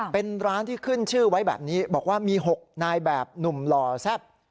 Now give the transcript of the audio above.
เป็นร้านที่ขึ้นชื่อไว้แบบนี้บอกว่ามี๖นายแบบหนุ่มหล่อแซ่บ